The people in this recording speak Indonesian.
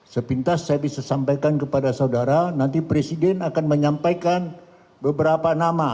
sepintas saya bisa sampaikan kepada saudara nanti presiden akan menyampaikan beberapa nama